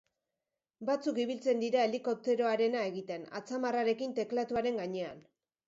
Batzuk ibiltzen dira helikopteroarena egiten atzamarrarekin teklatuaren gainean.